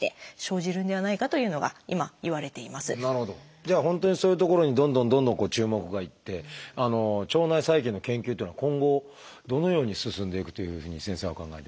じゃあ本当にそういうところにどんどんどんどん注目がいって腸内細菌の研究っていうのは今後どのように進んでいくというふうに先生はお考えですか？